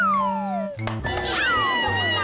langsung kecil duit lo